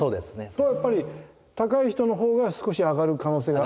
それはやっぱり高い人のほうが少し上がる可能性が。